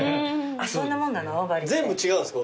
全部違うんですか？